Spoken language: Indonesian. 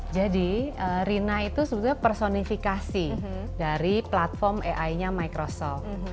jadi rina itu sebetulnya personifikasi dari platform ai nya microsoft